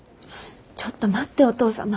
ちょっと待ってお父様。